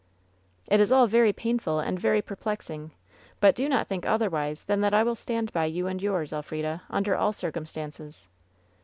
"It is all very painful and very perplexing, but do not think otherwise than that I will stand by you and yours, Elfrida, under all circumstances."